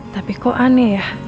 tapi kok aneh ya